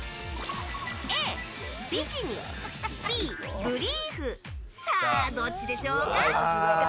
Ａ、ビキニＢ、ブリーフさあ、どっちでしょうか。